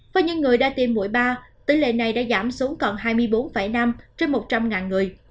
với những người đã tiêm mũi ba tỷ lệ này đã giảm xuống còn hai mươi bốn năm trên một trăm linh người